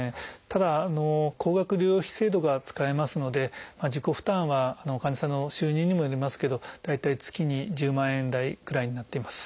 ただ高額療養費制度が使えますので自己負担は患者さんの収入にもよりますけど大体月に１０万円台くらいになっています。